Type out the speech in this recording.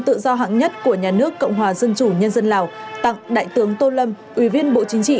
tự do hãng nhất của nhà nước cộng hòa dân chủ nhân dân lào tặng đại tướng tô lâm ủy viên bộ chính trị